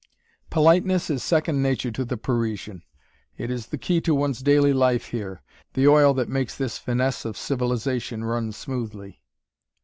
Politeness is second nature to the Parisian it is the key to one's daily life here, the oil that makes this finesse of civilization run smoothly.